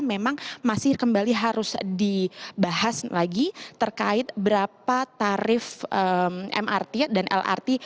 memang masih kembali harus dibahas lagi terkait berapa tarif mrt dan lrt